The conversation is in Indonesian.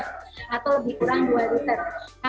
nah pemenuhan dua satu liter mie